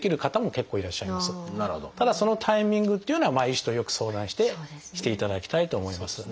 ただそのタイミングっていうのは医師とよく相談していただきたいと思います。